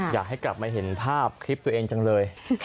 อยากให้กลับมาเห็นภาพคลิปตัวเองจังเลย